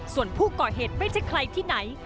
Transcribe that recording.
ส่วนผู้ก่อเหตุไม่ใช่ใครที่ไหน